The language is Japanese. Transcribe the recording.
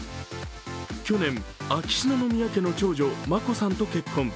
去年、秋篠宮家の長女・眞子さんと結婚。